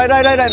duh duh duh